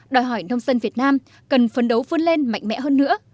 đòi hỏi nông dân việt nam cần phấn đấu vươn lên mạnh mẽ hơn nữa